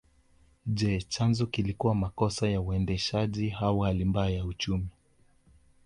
Je chanzo kilikuwa makosa ya uendeshaji au hali mbaya ya uchumi